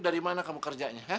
dari mana kamu kerjanya